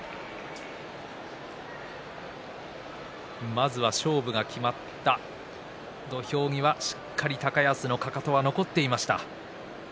まず、勝負が決まった土俵際しっかり高安のかかとは残っていました。